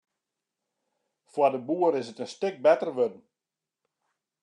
Foar de boer is it in stik better wurden.